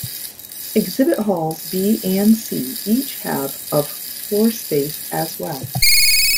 Exhibit Halls B and C each have of floor space as well.